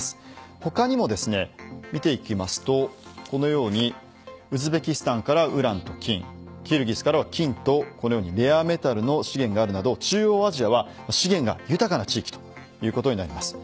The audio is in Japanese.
他にもですね見ていきますと、このようにウズベキスタンからウランと金キルギスからは金とレアメタルの資源があるなど中央アジアは資源が豊かな地域ということになります。